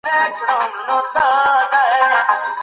ولې حاکمان د مغولو په پل روان دي؟